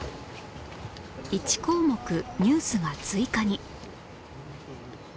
１項目ニュースが追加に